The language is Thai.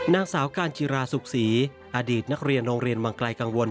นางสาวการจิราสุขศรีอดีตนักเรียนโรงเรียนวังไกลกังวล